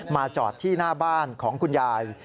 จอดที่หน้าบ้านของคุณยาย